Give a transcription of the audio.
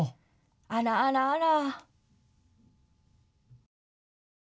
あらあらあら。